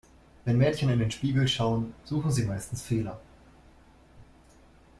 Wenn Mädchen in den Spiegel schauen, suchen sie meistens Fehler.